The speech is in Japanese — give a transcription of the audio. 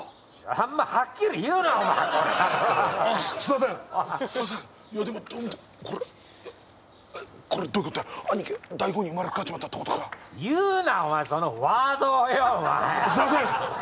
あんまはっきり言うなお前コラあっすいませんすいませんいやどう見てもこれこれどういうことだ兄貴大根に生まれ変わっちまったってことか言うなお前そのワードをよお前すいません